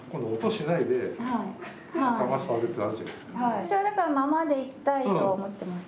私はだからままでいきたいと思っています。